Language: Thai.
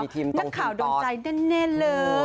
นักข่าวโดนใจแน่เลย